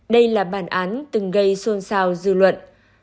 đây là bản án từng gây xôn xao dư luận